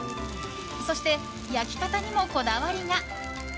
そして、焼き方にもこだわりが。